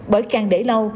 bởi càng để lâu